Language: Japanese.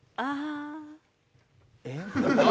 えっ？